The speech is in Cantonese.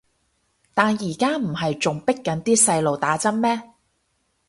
但而家唔係仲迫緊啲細路打針咩